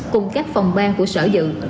cùng các phòng ban của sở dự